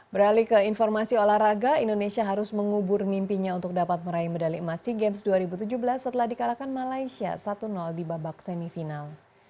beralih ke informasi olahraga indonesia harus mengubur mimpinya untuk dapat meraih medali emas sea games dua ribu tujuh belas setelah dikalahkan malaysia satu di babak semifinal